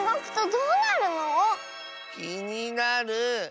きになる。